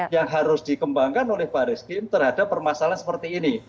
yang harus dikembangkan oleh baris krim terhadap permasalahan seperti ini